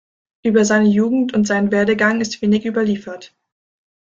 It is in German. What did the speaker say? Über seine Jugend und seinen Werdegang ist wenig überliefert.